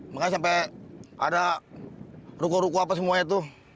makanya sampai ada ruko ruko apa semua itu